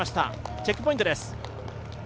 チェックポイントです。